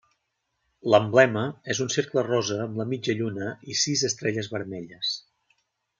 L'emblema és un cercle rosa amb la mitja lluna i sis estrelles vermelles.